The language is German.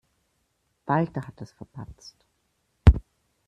Walter hat es verpatzt.